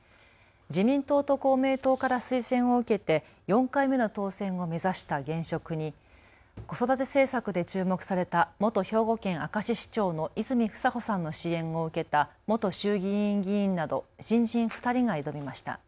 自民党と公明党から推薦を受けて４回目の当選を目指した現職に子育て政策で注目された元兵庫県明石市長の泉房穂さんの支援を受けた元衆議院議員など新人２人が挑みました。